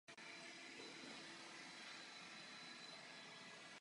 Jednosměrné komunikace po obvodu náměstí tvoří de facto velký kruhový objezd.